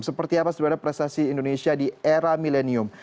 seperti apa sebenarnya prestasi indonesia di era milenium